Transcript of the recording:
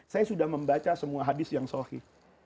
saya sudah membaca semua hadis yang sohih